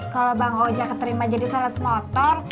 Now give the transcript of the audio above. kalo bang ojak keterima jadi sales motor